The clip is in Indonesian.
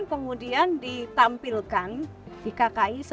kemudian ditampilkan di kpi sebagai etalase